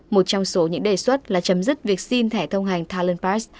một trong số những đề xuất là chấm dứt việc xin thẻ thông hành thailand pass